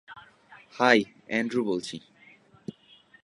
High, Andrew বলছি।